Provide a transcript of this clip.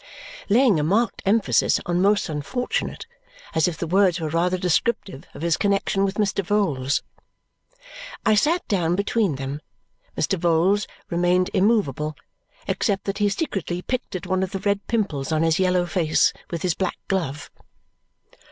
Laying a marked emphasis on "most unfortunate" as if the words were rather descriptive of his connexion with Mr. Vholes. I sat down between them; Mr. Vholes remained immovable, except that he secretly picked at one of the red pimples on his yellow face with his black glove.